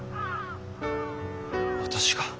私が？